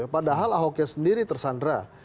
padahal ahoknya sendiri tersandra